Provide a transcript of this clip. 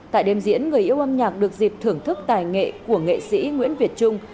tại đêm diễn người yêu âm nhạc được dịp thưởng thức tài nghệ của nghệ sĩ nguyễn việt trung